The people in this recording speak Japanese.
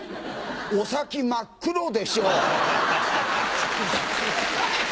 お先、真っ黒でしょう。